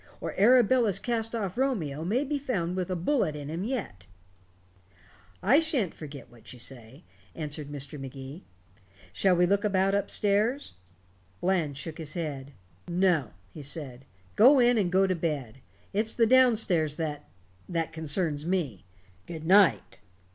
Or Arabella's cast off Romeo may be found with a bullet in him yet." "I shan't forget, what you say," answered Mr. Magee. "Shall we look about up stairs?" Bland shook his head. "No," he said. "Go in and go to bed. It's the down stairs that that concerns me. Good night."